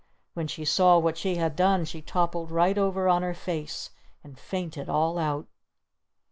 When she saw what she had done she toppled right over on her face! And fainted all out!